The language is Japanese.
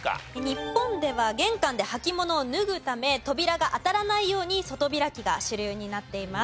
日本では玄関で履き物を脱ぐため扉が当たらないように外開きが主流になっています。